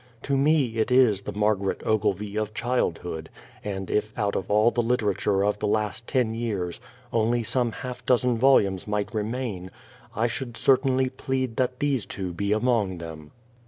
To me it is the " Margaret Ogilvy " of child hood, and if out of all the literature of the last ten years only some half dozen volumes might remain, I should certainly plead that these two be among them.